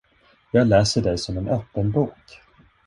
Jag läser dig som en öppen bok.